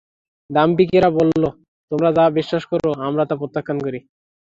দাম্ভিকেরা বলল, তোমরা যা বিশ্বাস কর আমরা তা প্রত্যাখ্যান করি।